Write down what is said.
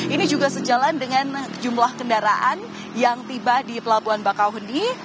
ini juga sejalan dengan jumlah kendaraan yang tiba di pelabuhan bakauheni